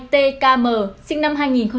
tkm sinh năm hai nghìn một mươi bốn